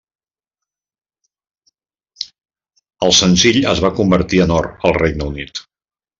El senzill es va convertir en Or al Regne Unit.